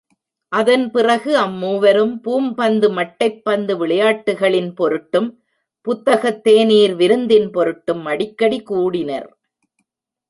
அதன் பிறகு அம் மூவரும் பூப்பந்து, மட்டைப் பந்து விளையாட்டுகளின் பொருட்டும், புத்தகத்தேநீர் விருந்தின் பொருட்டும் அடிக்கடி கூடினர்.